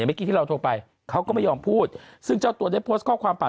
เมื่อกี้ที่เราโทรไปเขาก็ไม่ยอมพูดซึ่งเจ้าตัวได้โพสต์ข้อความผ่าน